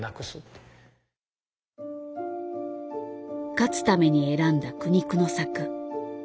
勝つために選んだ苦肉の策。